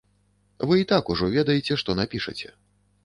Вы і так ужо ведаеце, што напішаце.